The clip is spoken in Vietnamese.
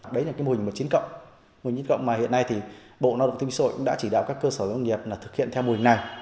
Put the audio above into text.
đấy là cái mô hình một mươi chín mô hình một mươi chín mà hiện nay thì bộ lao động thương sội cũng đã chỉ đạo các cơ sở giáo dục nghiệp là thực hiện theo mô hình này